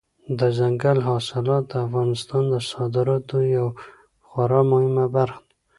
دځنګل حاصلات د افغانستان د صادراتو یوه خورا مهمه برخه ده.